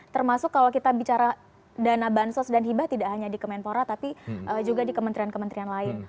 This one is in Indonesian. termasuk kalau kita bicara dana bansos dan hibah tidak hanya di kemenpora tapi juga di kementerian kementerian lain